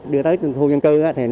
đưa tới thu dân cư thì